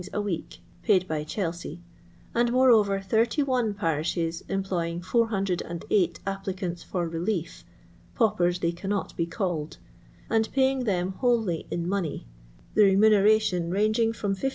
a week (paid by Chelsea), and moreover 81 parishes employing 408 applicanU for relief (pau pers they cannot be called), and paying them wholly in money, the remuneration ranging from 16s.